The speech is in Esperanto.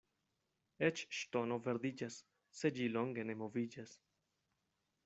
Eĉ ŝtono verdiĝas, se ĝi longe ne moviĝas.